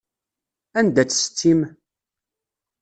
Anda-tt setti-m?